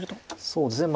そうですね。